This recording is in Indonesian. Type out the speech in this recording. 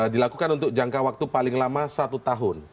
dilakukan untuk jangka waktu paling lama satu tahun